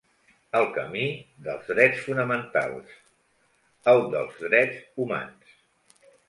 El camí dels drets fonamentals, el dels drets humans.